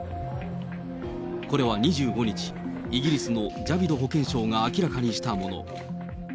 これは２５日、イギリスのジャビド保健相が明らかにしたもの。